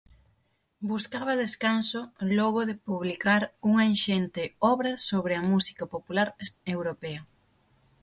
Buscaba descanso, logo de publicar unha inxente obra sobre a música popular europea.